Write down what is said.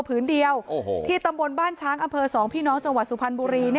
ผืนเดียวที่ตำบลบ้านช้างอำเภอ๒พี่น้องจังหวัดสุพรรณบุรี